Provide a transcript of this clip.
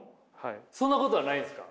そんなことはないですか？